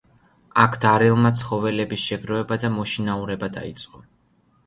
აქ დარელმა ცხოველების შეგროვება და მოშინაურება დაიწყო.